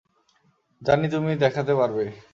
জানি তুমি দেখাতে পারবে।